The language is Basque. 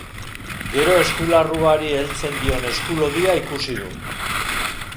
Gero eskularruari heltzen dion esku lodia ikusi du.